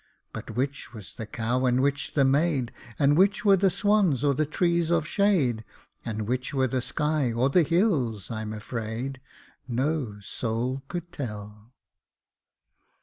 But which was the cow and which the maid, And which were the swans or the trees of shade, And which were the sky or the hills, I'm afraid, No soul could tell.